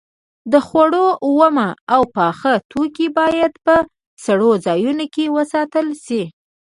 د خوړو اومه او پاخه توکي باید په سړو ځایونو کې وساتل شي.